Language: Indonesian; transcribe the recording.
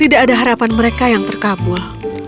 tidak ada harapan mereka yang terkabul